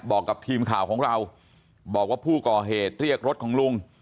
บอกกับทีมข่าวของเราบอกว่าผู้ก่อเหตุเรียกรถของลุง